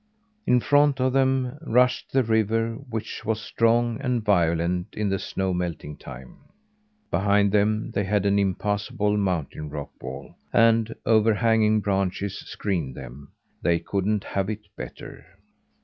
In front of them rushed the river, which was strong and violent in the snow melting time; behind them they had an impassable mountain rock wall, and overhanging branches screened them. They couldn't have it better.